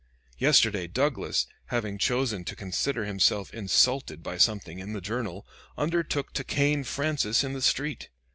Yesterday Douglas, having chosen to consider himself insulted by something in the 'Journal,' undertook to cane Francis in the street.